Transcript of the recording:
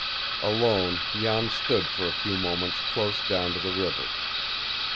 Alone Jan stood for a few moments close down to the river.